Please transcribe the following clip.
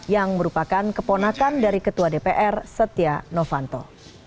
yang merupakan keponakan dari ketua dpr setia novanto